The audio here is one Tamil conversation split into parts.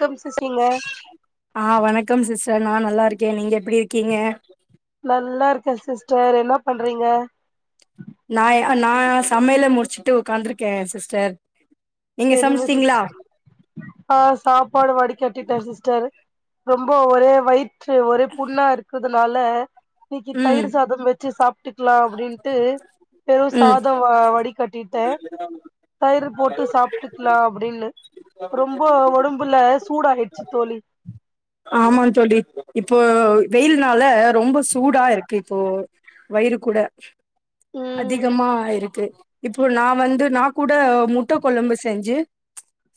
கம்சிச்சிங்க டர் நான் நல்லா இருக்கேன் நீங்க எப்படி இருக்கீங்க நல்லா இருக்கேன் சிஸ்டர் என்ன பண்றீங்க நான் நான் சமையில முடிச்சுட்டு உட்காந்துருக்கேன் சிஸ்டர் நீங்க சேரிங்க சமச்சிட்டீங்களா சிஸ்டர் ஆஹ் சாப்பாடு வடிக்க கேட்டிட்டேன் சிஸ்டர் ரொம்ப ஒரே வயிற் ஒரே புண்ணா இருக்குது நாள இன்னைக்கு ம் தயிர் சாதம் வச்சு சாப்பிட்டுக்கலாம் அப்படின்ட்டு வெரு ம் சாதம் வடி கட்டிட்டேன் தயிர் போட்டு சாப்பிட்டுக்கலாம் அப்படின்னு ரொம்ப உடம்புல சூடாயிடுச்சு தோழி ஆமா தோழி இப்போ வெயில்னால ரொம்ப சூடா இருக்கு இப்போ வயிறு கூட ம் அதிகமா இருக்கு இப்போ நான் வந்து ந கூட முட்ட கொழம்பு செஞ்சு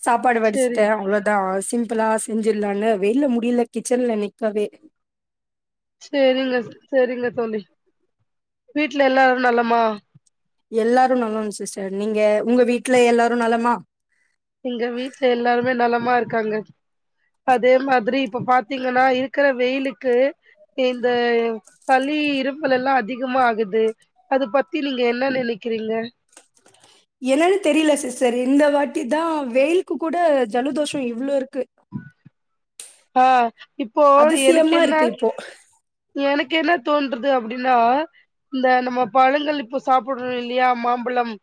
சாப்பாடு வடிச்சுட்ட செரி அவ்வளோதான் ஆசி சிம்பிளா செஞ்சிரலானு வெளில முடியல கிச்சன்ல நிக்கவே சரிங்க சரிங்க தோழி வீட்டுல எல்லாரும் நலமா எல்லாரும் நலம் சிஸ்டர் நீங்க உங்க வீட்டுல எல்லாரும் நலமா எங்க வீட்டுல எல்லாருமே நலம் நலமா இருக்காங்க அதே மாதிரி இப்ப பாத்தீங்கன்னா இருக்கிற வெயிலுக்கு இந்த சளி இரும்மல் எல்லாம் அதிகமா ஆகுது அது பத்தி நீங்க என்ன நினைக்க என்னன்னு தெரியல சிஸ்டர் இந்த வாட்டி இதான் வெயில்க்கு கூட ஜலதோஷம் இவ்ளோ இருக்கு ஆஹ் இப்போ எனக்கு அதிசயமா என்ன இருக்கு இப்போ எனக்கு என்ன தோணு தோணுது அப்படின்னா இந்த நம்ம பழங்கள் இப்ப சாப்புரொம் இல்லையா மாம் மாம்பலம்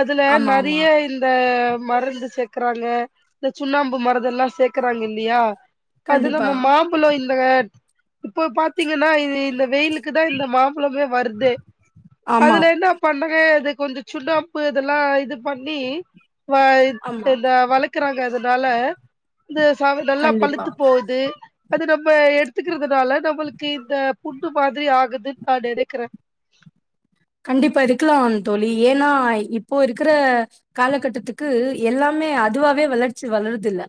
அதுல ஆமா ஆமா நிறைய இந்த மருந்து சேக்கறாங்க இந்த சுண்ணாம்பு மரதெல்லாம் சேர்க்கறாங்க இல்லையா அதில கண்டிப்பா நம்ம மாம்பழம் இல்ல இப்போ பாத் பின்னனா இது இந்த வெயிலுக்கு தான் இந்த மாம்பழமே வருதே ஆமா அதுல என்ன பண்ணுவெ அது கொஞ்சம் சுனாப்பு இதெல்லாம் இது பண்ணி ஆமா இந்த வளர்க்குறாங்க அதனால இந்த நல்லா கண்டிப்பா பழுத்து போகுது அது நம்ம இப்ப எடுத்துக்கிறதுனால நம்மளு க்கு இந்த புன்னு மாதிரி ஆகுதுன்னு நான் நினைக்கிறேன் கண்டிப்பா இருக்கலாம் தோழி ஏன்னா இப்போ இருக்கிற காலகட்டத்துக்கு எல்லாமே அதுவாவே வளர்ச்சி வளருது இல்ல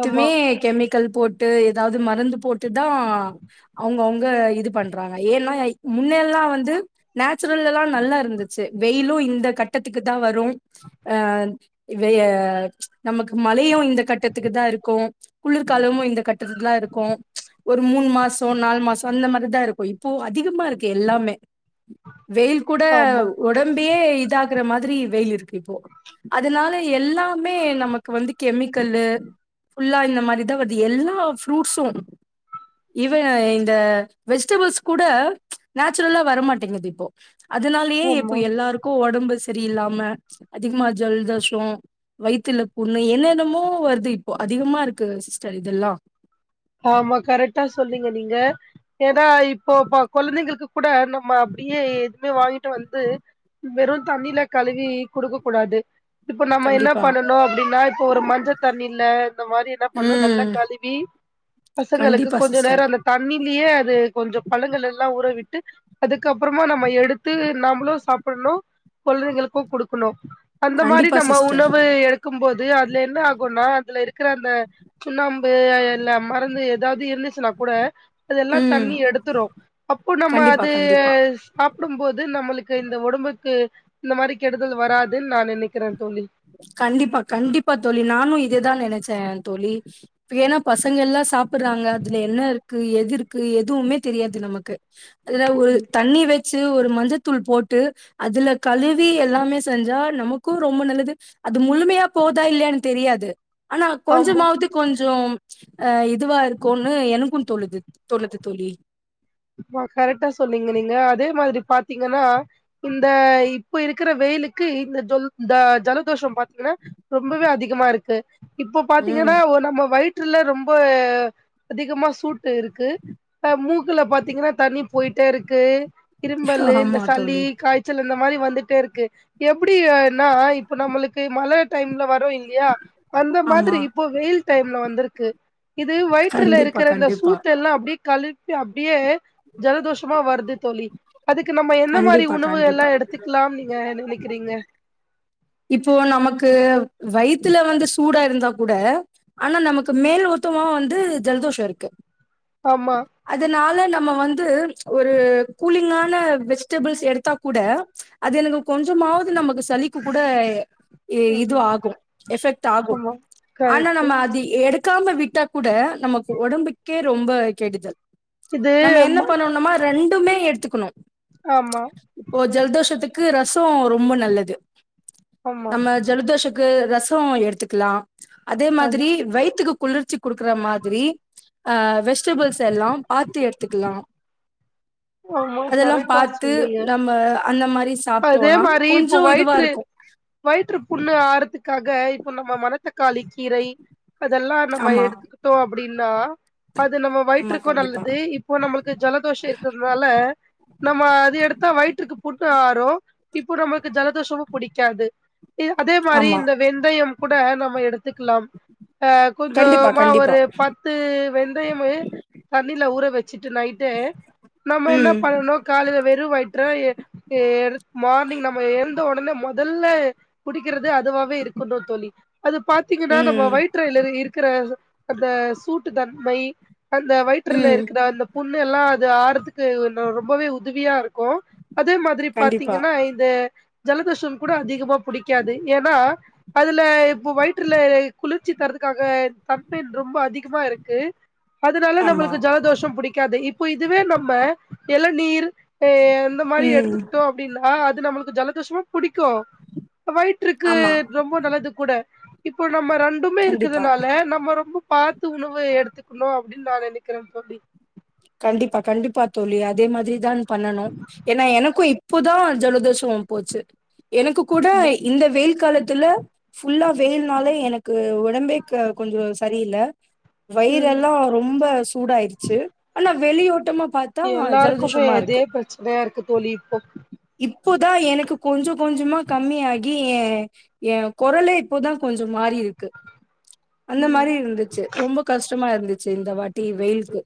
ஆமா கெமி கள் போட்டு ஏதாவது மருந்து போட்டு தான் அவங்கவுங்க இது பண்றாங்க ஏன்னா முன்னெல்லாம் வந்து நேச்சுரல்ல எல்லாம் நல்லா இருந்துச்சு வெயிலும் இந்த கட்டத்துக்கு தான் வரும் அஹ் வெயல் நமக்கு மழையும் இந்த கட்டத்துக்கு தான் இருக்கும் குளிர்காலமும் இந்த கட்டத்துக்கு தான் இருக்கும் ஒரு மூணு மாசம் நாலு மாசம் அந்த மாதிரிதான் இருக்கும் இப்போ அதிகமா இருக்கு எல்லாமே வெயில் கூட ஆமா உடம்பியே இதாகற மாதிரி வெயில் இருக்கு இப்போ அதனால எல்லாமே நமக்கு வந்து கெமிக்கல்லு ஃபுல்லா இந்த மாதிரிதா வருது எல்லா ஃப்ரூட்ஸ்சும் இவன் இந்த வெஜிடபிள்ஸ் கூட நேச்சுரலா வர மாட்டேங்குது கங்கது இப்ப அதனாலயே ஆமா இப்ப எல்லாருக்கும் உடம்பு சரியில்லாம அதிகமா ஜல் தோஷம் வயித்தல புண்ணு என்னென்னமோ வருது இப்போ அதிகமா இருக்கு சிஸ்டர் இதெல்லாம் ஆமா கரெக்டா சொன்னிங்க நீங்க எதா இப்பொபா கொழந்தைங்களுக்கு கூட நம்ம அப்டியே வாங்கிட்டு வந்து வெறு தண்ணில கழுவி குடுக்க கூடாது இப்ப நம்ம என்ன கண்டிப்பா பண்ணணு அப்டின்னா இப்ப ஒரு மஞ்ச தண்ணில இந்த மாரி என்ன பண்ணு நல்லா ம் கழுவி பசங்களுக்கு கண்டிப்பா கொஞ்ச நேரொ சிஸ்டர் அந்த தண்ணி லியே அது கொஞ்ச பழங்களெல்லா ஊறவிட்டு அதுக்கப்றமா நம்ம எடுத்து நம்மளு சாப்பன்ணு கொழந்தைங்களுக்கு குடுக்கணு அந்த மாரி கண்டிப்பா நம்ம சிஸ்டர் உணவு எடுக்கும் போ து அதுல என்ன ஆகுன்னா அதுல இருக்குற அந்த சுண்ணாம்பு அஎல்லாம் பறந்து எதா து இருந்துச்சுன்னா கூட அதெல்லா ம் தண்ணி எடுத்துரு அப்பொ நம்ம கண்டிப்பா அது கண்டிப்பா சாப் கூடும்போது நம்மளுக்கு இந்த உடம்புக்கு இந்த மாரி கெடுதல் வராதுன் நா நெனைக்கிறே தோழி கண்டிப்பா கண்டிப்பா தோழி நானு இதேதா நினைச்சே தோழி இப்ப ஏனா பசங்கெல்லா சாப்புறாங்க அதுல என்ன இருக்கு எது இருக்கு எதுவ்மே தெரியாது நமக்கு அதுல ஒரு தண்ணி வச் ச்சு ஒரு மஞ்சதூள் போட்டு அதுல கழுவி எல்லாமே செஞ்சா நமக்கு ரொம்ப நல்லது அது முழுமையா போதா இல்லயானு தெரியாது ஆனா ஆமா கொஞ்சமாவ்து கொஞ்சொ அ இதுவா இருக்குன் ம் எனக்கும் தொலுது தொனுது தோழி ஆமா கரெக்டா சொன்னீங்க நீங்க அதே மாதிரி பாத்தீங்கனா இந்த இப்ப இருக்கிற வெயிலுக்கு இந்த ஜொல் இந்த ஜலதோஷொம் பாத்தீங்கனா ரொம்பவே அதிகமா இருக்கு இப்போ ம் பாத்தீங்கனா நம்ம வை ற்றுல ரொம்ப அதிகமா சூட்டு இருக்கு இப்ப மூகுல பாத் தீங்கனா தண்ணி போயிட்டேருக்கு இரும்பலு இந்த ஆமா சளி தோழி காய்ச்சல் இந்த மாரி வந்துட்டேருக்கு எப்டி யனா இப்ப நம்மளுக்கு மழ டைம்ல வர ரோ இல்யா அந்த ஆமா மாதிரி இப்போ வெயில் டைம்ல வந் துருக்கு இது வயிற்றுல கண்டிப்பா இருக்குற இந்த கண்டிப்பா சூட்டெல்லா அப்டியே கழு வி அப்டியே ஜல தோஷமா வர்து தோளி அதுகு நம்ம எந்த மாரி கண்டிப்பா கண்டிப்பா உணவுயில்லாம் எடுத்துக்கலாம்னு நீங்க நினக்கிறீங்க இப்போ நமக்கு வயித்துல வந்து சூடா இருந்தா கூட ஆனா நமக்கு மேல் யுத்தமா வந்து ஜலதோஷம் இருக்கு ஆமா அதனால நம்ம வந்து ப் ச் ஒரு கூலிங்கா னல வெஜிடபுள்ஸ் எடுத்தா கூட அது எனகு கொஞ்சமாவது நமக்கு சளிக்கு கூட இ இது ஆமா ஆகும் எஃபெக்ட் ஆகும் ஆமா ஆனா கரெக்ட்டு நம்ம அது எடு டுக்காம விட்டா கூட நமகு ஒடம்புக்கே ரொம்ப கெடுதல் இது நம்ம என்ன மட் பண்ணுனுமோ ரெண் ட்டுமே எடுத்துக்குணும் ஆமா இப்போ ஜல்தோஷத்துக் க்கு ரசம் ரொம்ப நல்லது ஆமா நம்ம ஜலதோஷ க்கு ரசம் எடுத்துக்கலாம் அதே ஆமா மாதிரி வயித்துக்கு குளிர்ச்சி குடுக்குற மாதிரி ஆ வெஜ்டேபுள்ஸ் எல்லாம் பாத்து எடுத்துக்கலாம் கரெக்டா சொன்னீங்க நம்ம அந்த மாரி அதே சாப்ட்டோனா மாரி இப்ப கொஞ்சோ இதுவா வயிற்று இருக்கு வயிற்று புண்ணு ஆறதுக்காக இப்ப நம்ம மன மனத் தக்காளி கீரை அதல்லாம் நம்ம ஆமா எடுத்துக்கிட்டோ அப்டின்னா அது நம்ம ஆமா வயிற்றுக்கு கண்டிப்பா நல்லது இப்போ நம்மளுக்கு ஜலதோஷ இரு அ நம்ம அது எடுத்தா வயிற்றுக்கு புண்ணு ஆறரும் இப்போ நமக்கு ஜலதோஷம் புடிக்காது அதே மாரி ஆமா இந்த வெந்தயம் கூட நம்ம எடுத்துக்கலாம் கண்டிப்பா கொஞ்சுமா கண்டிப்பா ஒரு பத்து வெந்தயமு தண்ணில ஊற வ வச்சிட்டு நைட்டே நம்ம என்ன ம் பண்ணனு காலயில வெறு வ த்தற ஏ எர் மார்னிங் நம்ம யெந்த உடனே முதல்ல குடிக்கறது அதுவா இருக்கணு தோழி அது பாத்தீங்கன்னா நம்ம ம் வயிற்றுல்ல இருக்கற அந்த சூட்டு தன்மை அந்த வயிற்றுல ம் இருக்கற அந்த புண்ணுல்லாம் தாருத் துக்கு ரொம்பவே உதுவியா இருக்கு அதே மாதிரி கண்டிப்பா பாத்தீங்கன்னா இந்த ஜலதோஷ கூட அதிகமா புடிக்காது ஏனா அதுல இப்போ வயிற்றுல குளிர்ச்சி தரதுக்காக தன்மென் ரொம்ப அதிகமா இருக்கு அதுனால ஆமா நம்மளுக்கு ஜலதோஷம் புடிக்காது இப் இப்ப இதுவே நம் ம இளநீர் எந்த மாரி ம் எடுத்துக்கிட்டோ அப்டின்னா நம்மளுக்கு ஜலாதோசமோ புடிக் புடிக்கு வயிற்றுக்கு ஆமா ரொம்ப நல்லது கூட இப்போ நம்ம ரெண்டுமே கண்டிப்பா இருக்குதுனால நம்ம ரொம்ப பார்த்து உணவு எடுத்துக்கணும் அப்படின்னு நான் நினைக்கிறேன் தோழி கண்டிப்பா கண்டிப்பா தோழி அதே மாதிரிதான் பண்ணனும் ஏன்னா எனக்கும் இப்போதான் ஜலதோஷம் போச்சு எனக்கு கூட இந்த வெயில் காலத் த்துல ஃபுல்லா வெயில்னாலே எனக்கு உடம்பே கொஞ்சம் சரியில்ல வயிற ம் எல்லாம் ரொம்ப சூடாயிடுச்சு வெளி ஓட்டமா எல்லாருக்குமே எதே பிரச்சனையா இருக்கு தோலி இப்போ இப்போதான் எனக்கு கொஞ்சம் கொஞ்சமா கம்மியாகி என் என் குரலே இப்போதான் கொஞ்சம் மாறிருக்கு அந்த ம் மாரி இருந்துச்சு ரொம்ப கஷ்டமா இருந்துச்சு இந்த வாட்டி வெயிலுக்கு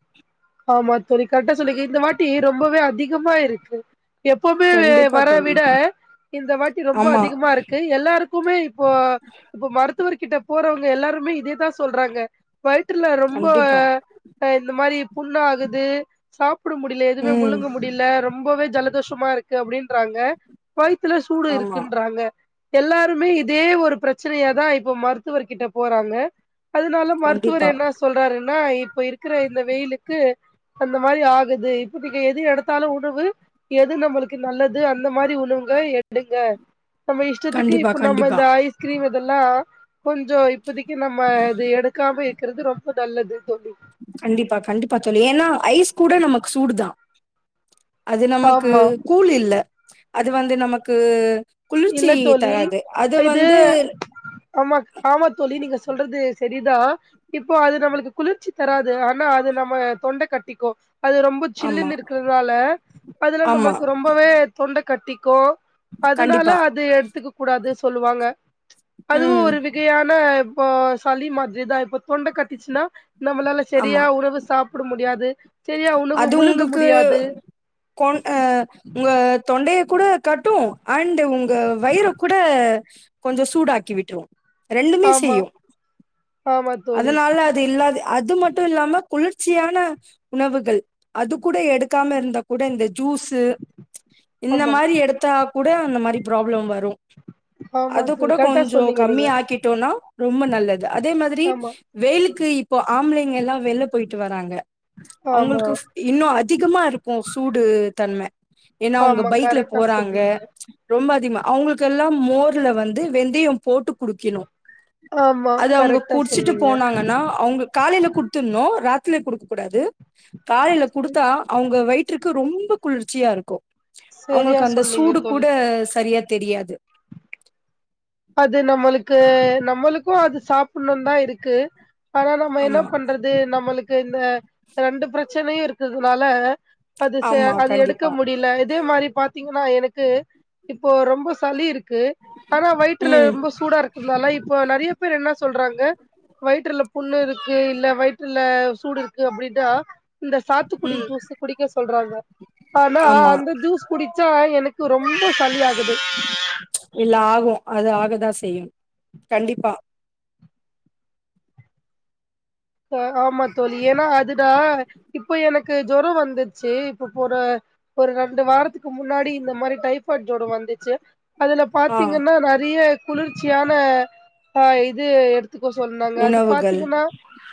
ஆமா தோலி கரெகட்டா சொல்லிங்க இந்த வாட்டி ரொம்பவே அதிகமா இருக்கு எப்பவுமே கண்டிப்பா வர தோழி விட இந்த வாட்டி ரொம்ப ஆமா அதிகமா இருக்கு எல்லாருக்கும் குமிழ் இப்போ இப்ப மருத் மருத்துவர்கிட்ட போறவங்க எல்லாருமே இதேதான் சொல்றாங்க வயிற்ல ரொம்ப கண்டிப்பா இந்த மாரி புண்ணா ஆகுது சாப் சாப்பட முடியல எதுவுமே ம் முழுங்க முடியல ரொம்பவே ஜலதோஷமா இருக்கு அப்படின்றாங்க வயித்துல சூடு ஆமா இருக்குன்றாங்க எல்லாருமே இதே ஒரு பிரச்சனையாதான் இப்போ மருத்துவர் கிட்ட போறாங்க அதனால மருத்துவர் கண்டிப்பா என்ன சொல்றாருன்னா இப்ப இருக்கிற இந்த வெயிலுக்கு அந்த மாரி ஆகுது இப்ப நீங்க எது எடுத்தாலும் உணவு எது நம்மளுக்கு நல்லது அந்த மாரி உணவுங்க எடுங்க நம்ம இஷ்டத்துக்கு கண்டிப்பா இப்போ நம்ம கண்டிப்பா இந்த ஐஸ்கிரீம் இதெல்லா கொஞ்சம் இப்போதக்கு நம்ம இது எடுக்காம இருக்கறது ரொம்ப நல்லது தோழி கண்டிப்பா கண்டிப்பா தோழி ஏன்னா ஐஸ் கூட நமக்கு சூடுதான் அது நமக்கு ஆமா கூழ் இல்ல அது வந்து நமக்கு குளிர்ச்சி இல்ல தோழி தராது அது இது வந்து ஆமா ஆமா தோழி நீங்க சொல்றது சரிதா இப்போ அது நம்மளுக்கு குளிர்ச்சி தராது ஆனா அது நம்ம தொண்ட கட்டிக்கும் அது ரொம்ப ஆமா ஜில்லுன்னு இருக்குறதுனால அதுல ஆமா நம்மக்கு ரொம்பவே தொண்ட கட்டிக்கோ கண்டிப் அது எடுத்துக்க கூடாது அது சொல்லுவாங்க அதுவும் ம் ஒரு விகையான இப்ப சளி மாதிரிதான் இப்ப தொண்ட கட்டிச்சுன்னா நம்மளால சரியா ஆமா. உணவு சாப்பிட முடியாது சரியா உணவு அது முழுங்க உங்களுக்கு முடியாது கொ அஹ து தொண்டைய கூட கட்டும் அண்ட் உங்க வயிற கூட கொஞ்சம் சூடாக்கி விட்ரும் ரெண்டுமே ஆமா செய்யும் ஆமா தோழி அதனால அது இல்லாத அது மட்டும் இல்லாம குளிர்ச்சியான உணவுகள் அது கூட எடுக்காம இருந்தா கூட இந்த ஜூஸு இந்த ஆமா மாரி எடுத்தா கூட அந்த மாரி ப்ராப்ளம் வரும் ஆமா அது தோழி கூட கரெக்டா கொஞ்சம் சொன்னீங்க நீங்க கம்மிய ஆக்கிட்டோனா ரொம்ப நல்லது அதே மாதிரி ஆமா வெயிலுக்கு இ இப்போ ஆம்ளைங்க எல்லாம் வெளில போய்ட்டு வராங்க ஆமா அவங்களுக்கு இன்னும் அதிகமா இருக்கும் சூடு தன்மை ஏன்னா அவங்க ஆமா பைக்ல கரெக்டா போறாங்க சொன்னீங்க ரொம்ப திமா அவங்களுக்கெல்லாம் மோர்ல வந்து வெந்தயம் போட்டு குடிக்கணும் ஆமா கரெக்டா சொன்னீங்க போனாங்கன்னா அவங்க காலையில கொடுத்திருனும் ராத் ரில கொடுக்கக் கூடாது காலையில குடுத்தா அவுங்க வயிற்றுக்கு ரொம் ரொம்ப குளிர்ச்சியா இருக்கும் சரியா அவுங்களுக்கு அந்த சொன்னீங்க சூடு கூட தோழி சரியா தெரியாது நம்மளுக்கும் அது சாப்பிணும் தான் இருக்கு ஆனா நம்ம என்ன ஆமா பண்றது நம்மளுக்கு இந்த ரெண்டு பிரச்சனையும் இருக்கறதுனால அது ச ஆமா அது எடுக்க கண்டிப்பா முடியல இதே மாரி பாத்தீங்கா மா எனக்கு இப்போ ரொம்ப சளி இருக்கு க்கு ஆனா வயி நைட்ல ம் ரொம்ப சூடா இருக்குந்தால இப்ப நறைய பேர் என்ன சொல்றாங்க வயிற்றுல புண்ணு இருக்கு இல்ல வயிற்றுல சூடு இருக்கு அப்டின்னா இந்த சாத்துக்குடி ம் ஜூஸ் குடிக்க சொல்றாங்க ஆனா ஆமா அந்த ஜூஸ் குடிச்சா எனக்கு ரொம்ப சளியாகுது எல்லா ஆகும் அது ஆகதான் செய்யும் கண்டிப்பா ஆஹ் ஆமா தோழி ஏன்னா அதுடா இப்ப எனக்கு ஜொரம் வந்துச்சு இப்ப போற ஒரு ரெண்டு வாரத்துக்கு முன்னாடி இந்த மாரி டைபாய்ட் ஜொரம் வந்துச்சு அதுல ஆ பாத்தீங்கன்னா நறைய குளிர்ச்சியான அஹ் இது எடுத்து எடுத்துக்க சொன்னாங்க அது உணவுகள் பாத்தீங்கன்னா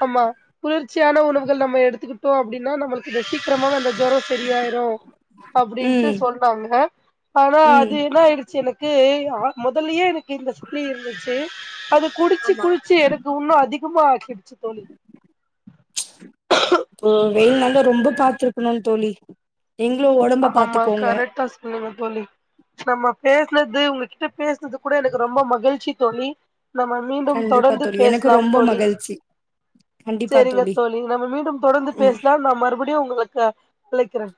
ஆமா குளிர்ச்சியான உணவுகள் நம்ம எடுத்துக்கிட்டோம் அப்படின்னா நம்மளுக்கு சித்தல அப்புரம அந்த ஜொரம் சரியாயிரும் அப்டின்ட்டு ம் சொன்னாங்க ஆனா ம் அது என்ன ஆயிடுச்சு எனக்கு முதல்லயே எனக்கு இந்த சளி இருந்துச்சு அது குடிச்சு ஆமா குடிச்சு எனக்கு இன்னும் அதிகமா ஆகிடுச்சு தோழி ம் வெயில் நாள்ல ரொம்ப பா பாத்துருக்கணும்னு தோழி நீங்களு ஒடம்ப ஆமா பாத்துக்கோங்க கரட்டா சொன்னிக தோழி நம்ம பேசினது உங்ககிட்ட பேசுனது கூட எனக்கு ரொம்ப மகிழ்ச்சி தோழி நம்ம மீண்டும் கண்டிப்பா தொடர்ந்து தோழி எனக்கு பேசலாம் ரொம்ப தோழி மகிழ்ச்சி சரிங்க தோழி நம்ம மீண்டும் தொடர்ந்து ம் பேசலாம் நாம் மறுபடியும் நான் உங்களுக்கு வக்கிறேன்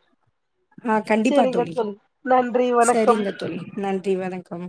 ஆஹ் கண்டிப்பா தோழி நன்றி வணக்கம் சரிங்க தோழி நன்றி வணக்கம்